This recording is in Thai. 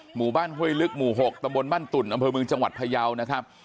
หมู่บ้านห้วยลึกหมู่๖ตำบลบ้านตุ่นอำเภอเมืองจังหวัดพยาวนะครับ